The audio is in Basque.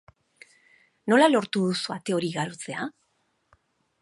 Nola lortu duzu ate hori igarotzea?